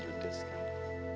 kondisi yang jelas kan